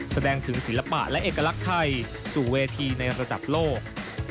แสดงถึงศิลปะและเอกลักษณ์ไทยสู่เวทีในระดับโลก